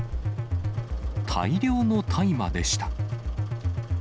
大量の大麻でした。